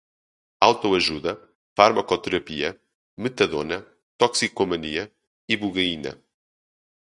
autoajuda, farmacoterapia, metadona, toxicomania, ibogaína